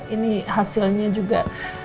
ini hasilnya juga